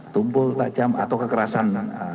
tumbuh tajam atau kekerasan